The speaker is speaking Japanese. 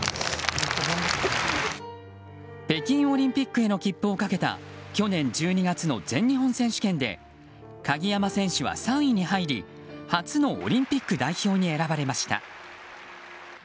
北京オリンピックへの切符をかけた去年１２月の全日本選手権で鍵山選手は３位に入り初のオリンピック代表に選ばれました。